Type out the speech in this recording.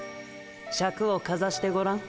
シャクをかざしてごらん。